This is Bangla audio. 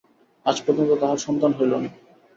আজ পর্যন্ত তাঁহার সন্তান হইল না।